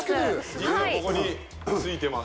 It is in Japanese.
実はここに着いてます。